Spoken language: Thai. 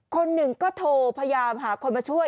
คนหนึ่งก็โทรพยายามหาคนมาช่วย